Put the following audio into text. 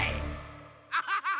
アハハハ！